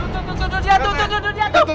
tunggu tunggu dia tuh